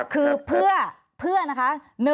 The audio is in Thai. คือเพื่อนะคะ